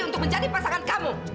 untuk menjadi pasangan kamu